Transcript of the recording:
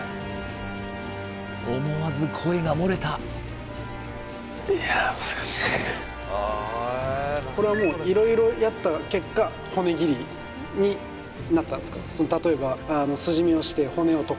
思わず声が漏れたこれはもう色々やった結果骨切りになったんですか？